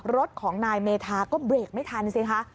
รถของนายเมธาก็เบรกไม่ทันสิคะ